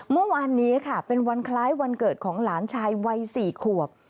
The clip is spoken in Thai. เมื่อวานนี้ค่ะเป็นวันคล้ายวันเกิดของหลานชายวัย๔ขวบ